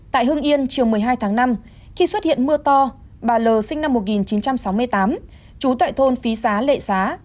tại hương yên chiều một mươi hai tháng năm khi xuất hiện mưa to bà l sinh năm một nghìn chín trăm sáu mươi tám trú tại thôn phí xá lệ xá